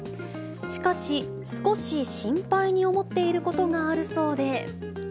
しかし、少し心配に思っていることがあるそうで。